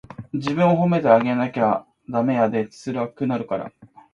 自分を褒めてあげなダメやで、つらくなるから。